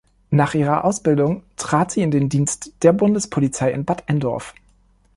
Nach ihrer Ausbildung trat sie in den Dienst der Bundespolizei in Bad Endorf.